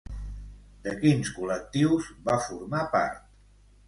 De quins col·lectius va formar part?